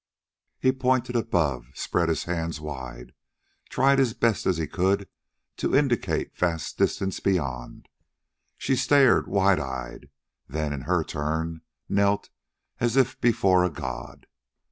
He pointed above, spread his hands wide, tried as best he could to indicate vast distance beyond. She stared, wide eyed, then in her turn knelt as if before a god.